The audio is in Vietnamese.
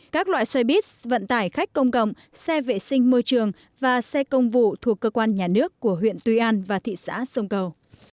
các loại xe bít vận tải khách công cộng xe vệ sinh môi trường và xe công vụ thuộc cơ quan nhà nước của huyện tuy an và thị xã sông cầu